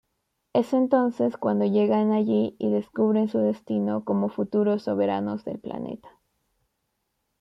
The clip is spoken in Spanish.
Es entonces cuando llegan allí y descubren su destino como futuros soberanos del planeta.